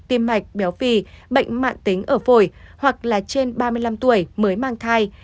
tim mạch béo phi bệnh mạng tính ở phổi hoặc là trên ba mươi năm tuổi mới mang thai